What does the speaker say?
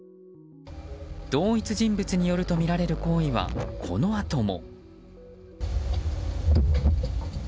同一人物によるとみられる行為はこのあとも。